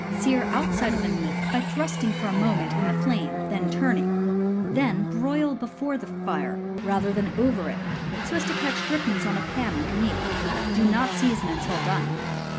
Sear outside of meat by thrusting for a moment in the flame, and turning; then broil before the fire, rather than over it, so as to catch drippings on a pan under neath. Do not season until done.